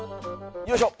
よいしょ。